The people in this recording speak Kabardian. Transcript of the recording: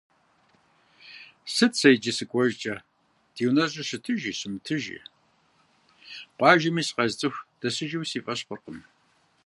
Сыт сэ иджы сыкӏуэжкӏэ, ди унэжьыр щытыжи щымытыжи, къуажэми сыкъэзыцӏыху дэсыжууи сифӏэщ хъуркъым.